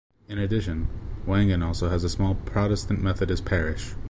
In addition, Wangen also has a small Protestant-Methodist parish.